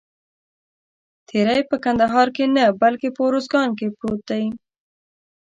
تیری په کندهار کې نه بلکې په اوروزګان کې پروت دی.